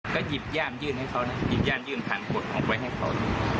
ก็หยิบย่ามยื่นให้เขานะหยิบย่ามยื่นผ่านบทไว้ให้เขา